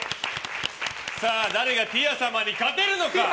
誰がティア様に勝てるのか。